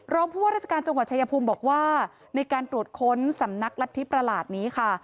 ผู้ว่าราชการจังหวัดชายภูมิบอกว่าในการตรวจค้นสำนักรัฐธิประหลาดนี้ค่ะ